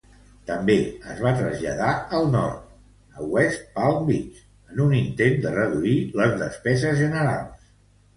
També es va traslladar al nord, a West Palm Beach, en un intent de reduir les despeses generals.